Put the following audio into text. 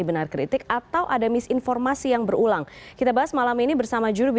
pemerintah masyarakat minim